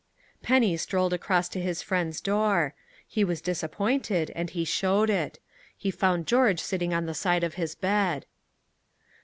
Penny strolled across to his friend's door. He was disappointed, and he showed it. He found George sitting on the side of his bed.